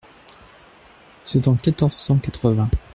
-c’est en quatorze cent quatre-vingt…